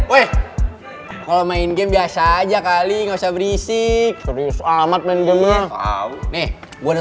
weh kalau main game biasa aja kali nggak usah berisik terus amat menjelang nih gue